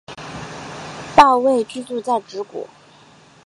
抱嶷居住在直谷。